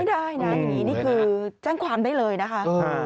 ได้นะอย่างนี้นี่คือแจ้งความได้เลยนะคะ